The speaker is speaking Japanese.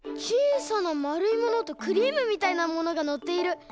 ちいさなまるいものとクリームみたいなものがのっている。